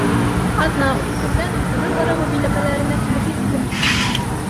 Аҙна-ун көндән Бүре ырыуы биләмәләренә килеп еттеләр.